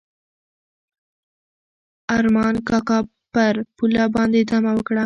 ارمان کاکا پر پوله باندې دمه وکړه.